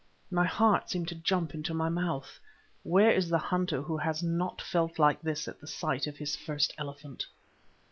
My heart seemed to jump into my mouth. Where is the hunter who has not felt like this at the sight of his first elephant?